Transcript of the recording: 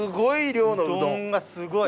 うどんがすごい。